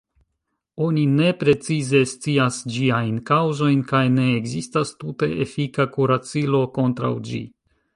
Oni ne precize scias ĝiajn kaŭzojn, kaj ne ekzistas tute efika kuracilo kontraŭ ĝi.